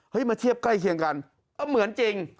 มาเทียบใกล้เคียงกันเหมือนจริง